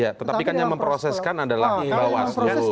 ya tetapi kan yang memproseskan adalah bawaslu